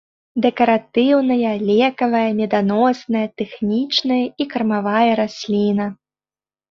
Дэкаратыўная, лекавая, меданосная, тэхнічная і кармавая расліна.